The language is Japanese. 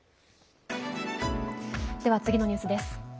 では次のニュースです。